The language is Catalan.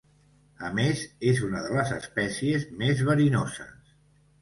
A més és una de les espècies més verinoses.